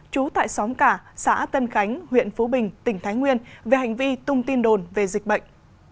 trú tại xóm cả xã tân khánh huyện phú bình tỉnh thái nguyên về hành vi tung tin đồn về dịch bệnh